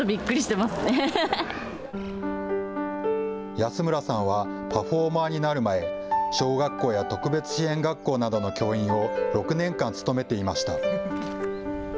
安村さんはパフォーマーになる前小学校や特別支援学校などの教員を６年間勤めていました。